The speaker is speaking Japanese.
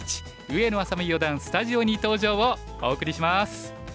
上野愛咲美四段スタジオに登場」をお送りします。